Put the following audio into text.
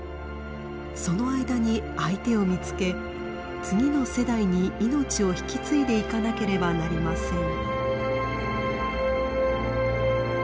その間に相手を見つけ次の世代に命を引き継いでいかなければなりません。